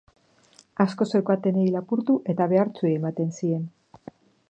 Asko zeukatenei lapurtu eta behartsuei ematen zien.